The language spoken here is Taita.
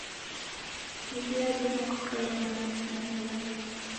Midi yadima kukaia na matunda malazi.